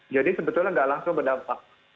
jadi sebetulnya tidak langsung berdampak